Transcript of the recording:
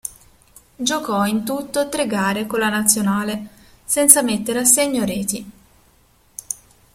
Giocò in tutto tre gare con la nazionale, senza mettere a segno reti.